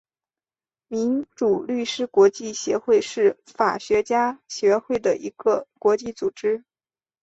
民主律师国际协会是法学家协会的一个国际组织。